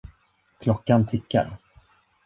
Klockan tickar.